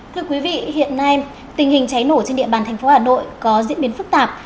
thưa quý vị hiện nay tình hình cháy nổ trên địa bàn thành phố hà nội có diễn biến phức tạp